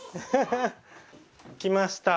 来ました。